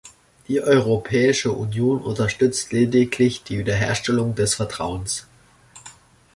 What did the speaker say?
Die Europäische Union unterstützt lediglich die Wiederherstellung des Vertrauens.